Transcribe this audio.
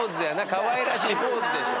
かわいらしいポーズでしょ。